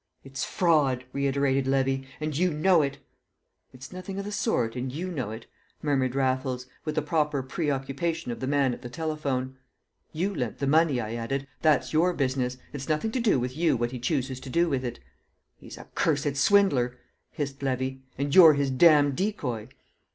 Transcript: "It's fraud," reiterated Levy. "And you know it." "It's nothing of the sort, and you know it," murmured Raffles, with the proper pre occupation of the man at the telephone. "You lent the money," I added. "That's your business. It's nothing to do with you what he chooses to do with it." "He's a cursed swindler," hissed Levy. "And you're his damned decoy!"